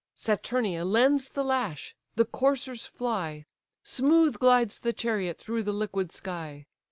Saturnia lends the lash; the coursers fly; Smooth glides the chariot through the liquid sky.